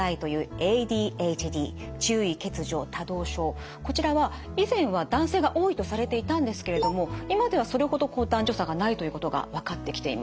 で一方のこちらは以前は男性が多いとされていたんですけれども今ではそれほど男女差がないということが分かってきています。